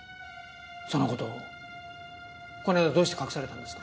その事をこの間はどうして隠されたんですか？